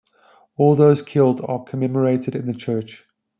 All those killed are commemorated in the church.